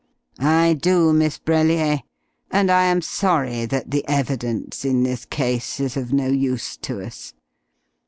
"I do, Miss Brellier. And I am sorry that the evidence in this case is of no use to us.